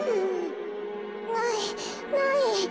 ないない。